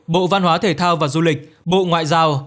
bộ văn hóa thể thao và du lịch bộ ngoại giao